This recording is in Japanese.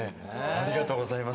ありがとうございます。